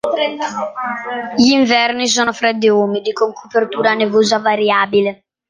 Gli inverni sono freddi e umidi, con copertura nevosa variabile.